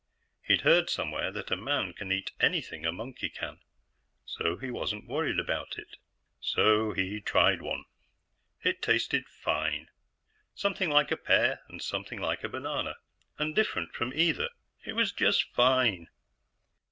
He'd heard somewhere that a man can eat anything a monkey can, so he wasn't worried about it. So he'd tried one. It tasted fine, something like a pear and something like a banana, and different from either. It was just fine.